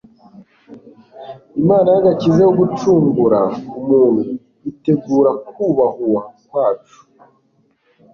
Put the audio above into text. Inama y'agakiza yo gucungura umuntu itegura kubahuwa kwacu